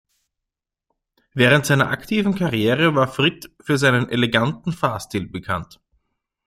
Während seiner aktiven Karriere war Frith für seinen eleganten Fahrstil bekannt.